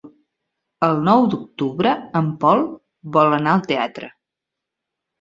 El nou d'octubre en Pol vol anar al teatre.